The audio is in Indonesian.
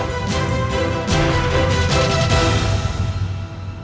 kepada ayah anda